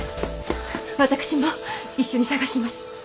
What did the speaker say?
私も一緒に捜します。